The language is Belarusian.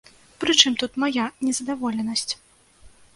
Прычым тут мая незадаволенасць?